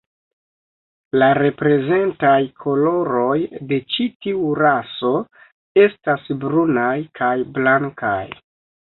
La reprezentaj koloroj de ĉi tiu raso estas brunaj kaj blankaj.